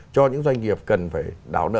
cho những doanh nghiệp cần phải đáo nợ